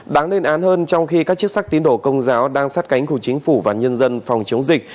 đáng lên án hơn trong khi các chức sắc tín đổ công giáo đang sát cánh cùng chính phủ và nhân dân phòng chống dịch